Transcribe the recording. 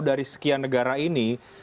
dari sekian negara ini